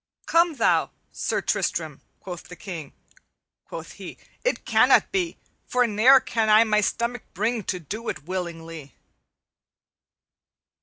"'Come thou, Sir Tristram,' quoth the King. Quoth he, 'It cannot be, For ne'er can I my stomach bring To do it willingly.'